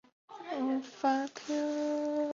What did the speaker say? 次年义军被镇压后。